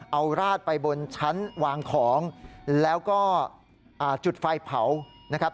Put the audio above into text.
เอาราดไปบนชั้นวางของแล้วก็จุดไฟเผานะครับ